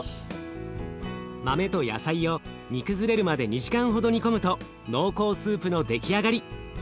豆と野菜を煮崩れるまで２時間ほど煮込むと濃厚スープの出来上がり。